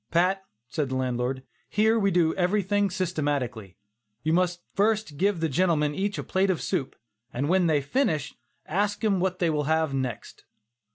"Pat," said the landlord, "here we do everything systematically. You must first give the gentlemen each a plate of soup, and when they finish that, ask them what they will have next."